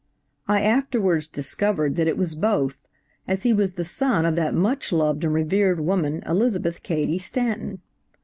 I afterwards discovered that it was both, as he was the son of that much loved and revered woman Elizabeth Cady Stanton.